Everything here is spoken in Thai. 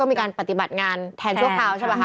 มีการปฏิบัติงานแทนชั่วคราว